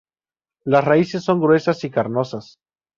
Las raíces son gruesas y carnosas.